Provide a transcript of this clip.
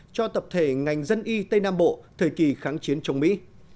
cho tập thể ngành dân y tây nam bộ thời kỳ kháng chiến chống mỹ